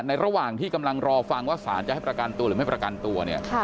ระหว่างที่กำลังรอฟังว่าสารจะให้ประกันตัวหรือไม่ประกันตัวเนี่ย